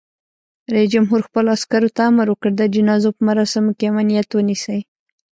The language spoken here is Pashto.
رئیس جمهور خپلو عسکرو ته امر وکړ؛ د جنازو په مراسمو کې امنیت ونیسئ!